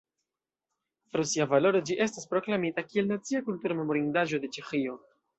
Pro sia valoro ĝi estas proklamita kiel nacia kultura memorindaĵo de Ĉeĥio.